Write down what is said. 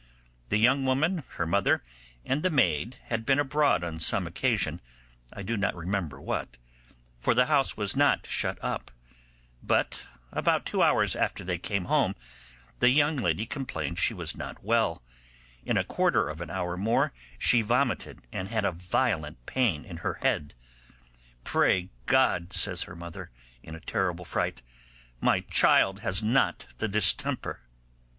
The young woman, her mother, and the maid had been abroad on some occasion, I do not remember what, for the house was not shut up; but about two hours after they came home the young lady complained she was not well; in a quarter of an hour more she vomited and had a violent pain in her head. 'Pray God', says her mother, in a terrible fright, 'my child has not the distemper!